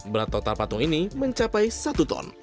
berat total patung ini mencapai satu ton